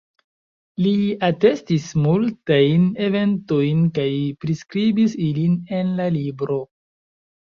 Li atestis multajn eventojn kaj priskribis ilin en la libro.